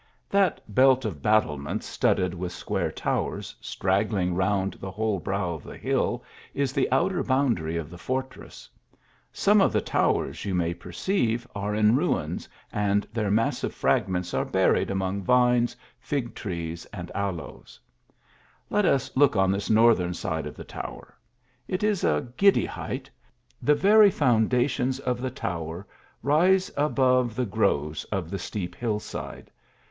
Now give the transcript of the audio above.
That belt of battlements studded with square towers, straggling round the whole brow of the hill, is the outer boundary of the fortress. Some of the to vers, you may perceive, are in ruins, and their massive fragments are buried among vines, fig trees and ak)es. LeHifi look on this northern side of the tower. It is a giddy height ; the very foundations of the tower rise above the groves of the steep hill side.